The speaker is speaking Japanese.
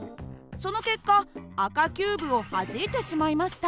その結果赤キューブをはじいてしまいました。